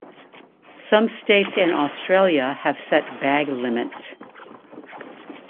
Some states in Australia have set bag limits.